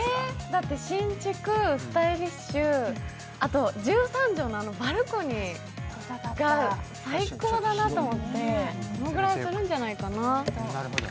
だって新築、スタイリッシュあと１３畳のバルコニーが最高だなと思って、そのぐらいするんじゃないかな。